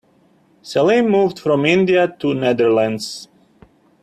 Salim moved from India to the Netherlands.